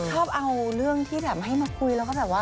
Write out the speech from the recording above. ชอบเอาเรื่องที่แบบให้มาคุยแล้วก็แบบว่า